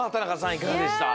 いかがでした？